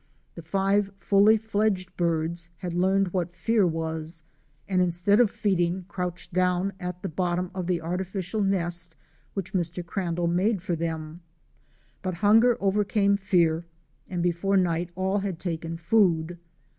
The five fully fledged birds had learned what fear was and instead of feeding, crouched down at the bot tom of the artificial nest which Mr. Crandall made for them But hunger overcame fear and before night all had taken food.